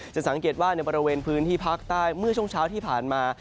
สังเกตว่าในบริเวณพื้นที่ภาคใต้เมื่อช่วงเช้าที่ผ่านมา